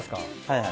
はい。